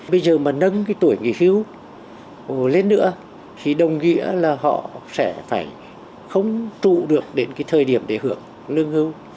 bây giờ mà nâng cái tuổi nghỉ hưu lên nữa thì đồng nghĩa là họ sẽ phải không trụ được đến cái thời điểm để hưởng lương hưu